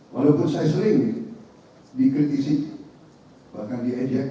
walaupun saya sering dikritisi bahkan diejek